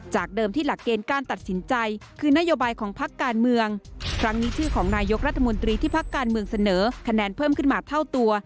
เดิมที่หลักเกณฑ์การตัดสินใจคือนโยบายของพักการเมืองครั้งนี้ชื่อของนายกรัฐมนตรีที่พักการเมืองเสนอคะแนนเพิ่มขึ้นมาเท่าตัว